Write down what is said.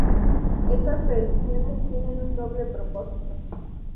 Estas predicciones tienen un doble propósito.